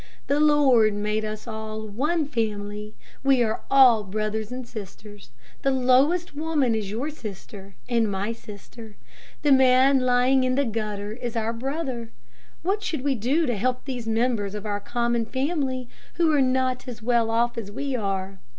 The Lord made us all one family. We are all brothers and sisters. The lowest woman is your sister and my sister. The man lying in the gutter is our brother. What should we do to help these members of our common family, who are not as well off as we are?